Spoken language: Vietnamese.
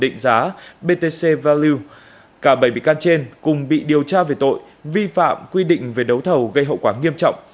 cả bảy bị can trên cùng bị điều tra về tội vi phạm quy định về đấu thầu gây hậu quả nghiêm trọng